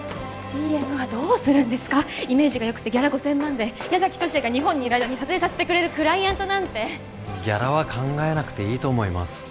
ＣＭはどうするんですかイメージがよくてギャラ５０００万で矢崎十志也が日本にいる間に撮影させてくれるクライアントなんてギャラは考えなくていいと思います